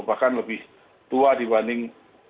bahkan lebih tua dibanding